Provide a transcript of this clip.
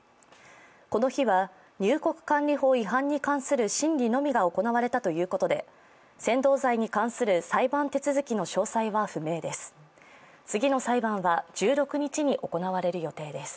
この日は、入国管理法違反に関する審理のみが行われたということで扇動罪に関する裁判手続きの詳細は不明です